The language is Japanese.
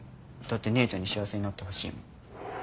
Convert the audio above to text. だって姉ちゃんに幸せになってほしいもん。